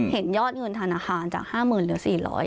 เห็นยอดเงินธนาคารจาก๕๐๐๐เหลือ๔๐๐